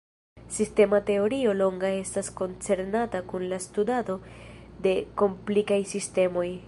Sistema teorio longa estas koncernata kun la studado de komplikaj sistemoj.